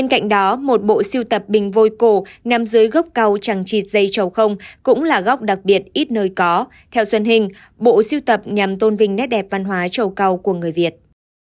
các tòa nhà hồi cổ nằm dưới góc cầu trằng trịt dây trầu không cũng là góc đặc biệt ít nơi có theo xuân hình bộ siêu tập nhằm tôn vinh nét đẹp văn hóa trầu cầu của người việt